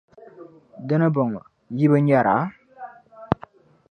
Di ni bɔŋɔ, yi bi nyara?